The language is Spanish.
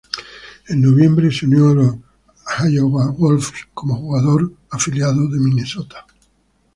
En noviembre se unió a los Iowa Wolves como jugador afiliado de Minnesota.